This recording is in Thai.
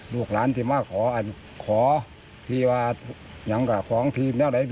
ลูกหลานที่มาส่งเสลว่าของทีม